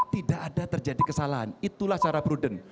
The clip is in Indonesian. tidak ada terjadi kesalahan itulah cara prudent